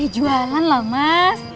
jualan lah mas